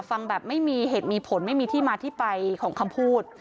ฟังแบบไม่มีเหตุมีผลไม่มีที่มาที่ไปของคำพูด